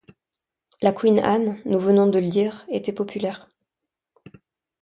La Queen Ann, nous venons de le dire, était populaire.